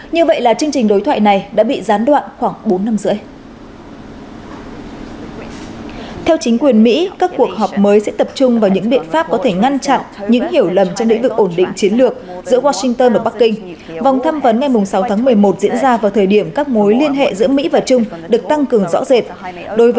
như vậy là chương trình đối thoại này đã bị gián đoạn khoảng bốn năm rưỡi